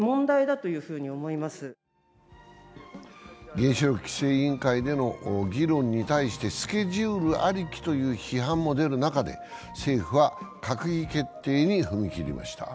原子力規制委員会での議論に対して、スケジュールありきという批判も出る中で政府は閣議決定に踏み切りました。